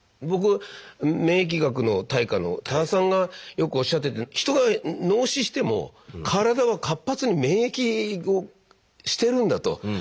僕免疫学の大家の多田さんがよくおっしゃってて人が脳死しても体は活発に免疫をしてるんだと。